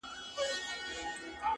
غلط معلومات ستونزې جوړوي